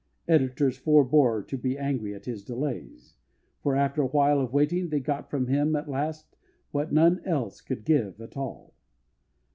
Editors forbore to be angry at his delays, for, after a while of waiting, they got from him, at last, what none else could give at all.